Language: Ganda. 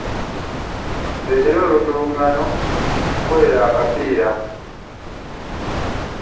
Ndeetera olutuluggano nkukolere akapiira.